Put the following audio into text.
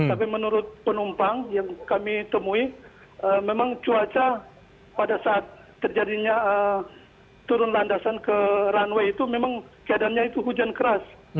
tapi menurut penumpang yang kami temui memang cuaca pada saat terjadinya turun landasan ke runway itu memang keadaannya itu hujan keras